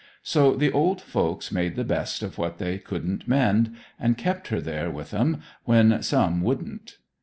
So the old folks made the best of what they couldn't mend, and kept her there with 'em, when some wouldn't.